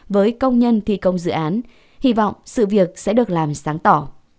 với công nhân thi công dự án hy vọng sự việc sẽ được làm sáng tỏ